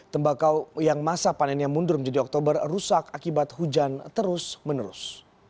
tembakau yang masa panennya mundur menjadi oktober rusak akibat hujan terus menerus